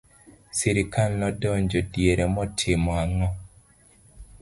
srikal nodonjo diere motimo ang'o?